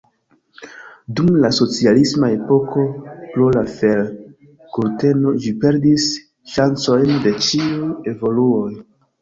Dum la socialisma epoko pro la fer-kurteno ĝi perdis ŝancojn de ĉiuj evoluoj.